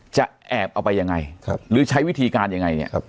แอบเอาไปยังไงหรือใช้วิธีการยังไงเนี่ยครับ